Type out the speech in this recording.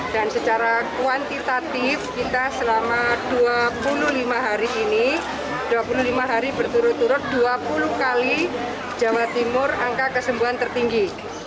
dan secara kuantitatif kita selama dua puluh lima hari ini dua puluh lima hari berturut turut dua puluh kali jawa timur angka kesembuhan tertinggi